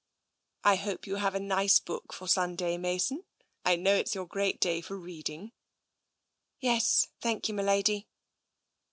" I hope you have a nice book for Sunday, Mason. I know it's your great day for reading." Yes, thank you, m'lady."